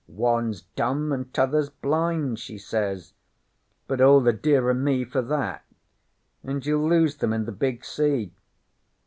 '"One's dumb, an' t'other's blind," she says. "But all the dearer me for that; and you'll lose them in the big sea."